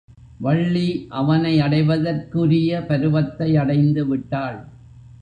வள்ளி அவனை அடைவதற்குரிய பருவத்தை அடைந்து விட்டாள்.